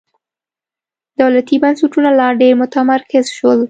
دولتي بنسټونه لا ډېر متمرکز شول.